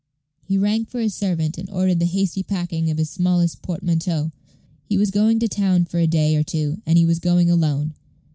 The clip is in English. He rang for his servant, and ordered the hasty packing of his smallest portmanteau. He was going to town for a day or two, and he was going alone.